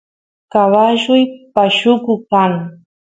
caballuy pashuku kan